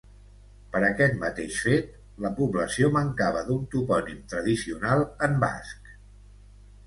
Per aquest mateix fet la població mancava d'un topònim tradicional en basc.